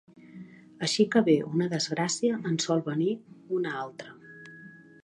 Així que ve una desgracia en sol venir una altra